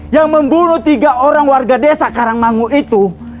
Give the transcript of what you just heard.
yang memburu tiga orang warga desa karangmangu itu